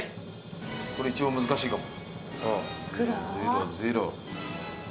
これ、一番難しいかも。